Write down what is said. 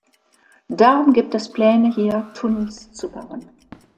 Darum gibt es Pläne, hier Tunnels zu bauen.